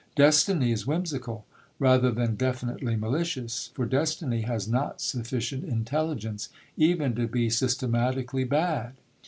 Destiny is whimsical, rather than definitely malicious; for Destiny has not sufficient intelligence even to be systematically bad.